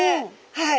はい。